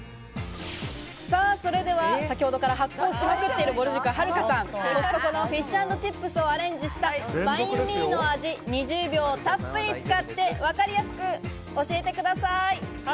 それではぼる塾・はるかさん、コストコのフィッシュ＆チップスをアレンジしたバインミーの味、２０秒たっぷり使って分かりやすく教えてください。